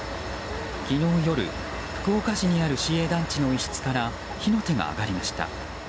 昨日夜、福岡市にある市営団地の一室から火の手が上がりました。